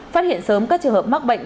phát hiện sớm các trường hợp mắc bệnh